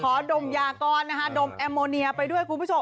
ขอดมยากรดมแอร์โมเนียไปด้วยคุณผู้ชม